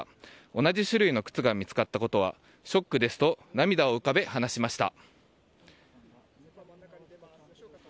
同じ種類の靴が見つかったことはショックですと涙を浮かべ話しました。